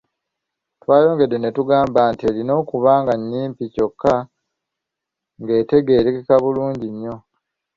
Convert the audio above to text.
Twayongedde ne tugamba nti erina okuba nga nnyimpi kyokka ng'etegeerekeka bulungi nnyo.